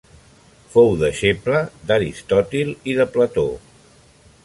Fou deixeble d'Aristòtil i de Plató.